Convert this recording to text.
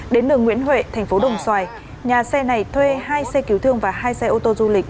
đến đường nguyễn huệ thành phố đồng xoài nhà xe này thuê hai xe cứu thương và hai xe ô tô du lịch